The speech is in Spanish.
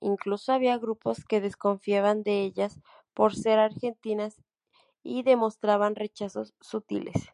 Incluso había grupos que desconfiaban de ellas por ser argentinas y demostraban rechazos sutiles.